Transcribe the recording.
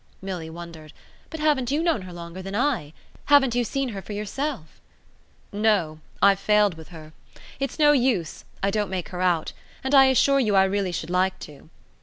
Milly wondered. "But haven't you known her longer than I? Haven't you seen her for yourself?" "No I've failed with her. It's no use. I don't make her out. And I assure you I really should like to."